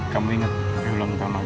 kamu ingat hari ulang tahun